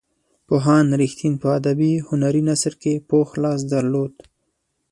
پوهاند رښتین په ادبي هنري نثر کې پوخ لاس درلود.